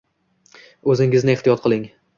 O'zingizni ehtiyot qiling!